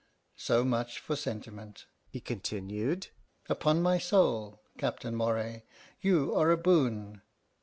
So much for sentiment," he continued. "Upon my soul, Captain Moray, you are a boon.